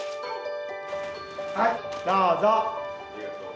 はいどうぞ。